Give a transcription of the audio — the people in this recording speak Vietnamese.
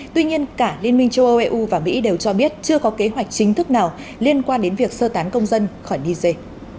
tuy nhiên cả liên minh châu âu eu và mỹ đều cho biết chưa có kế hoạch chính thức nào liên quan đến việc sơ tán công dân khỏi niger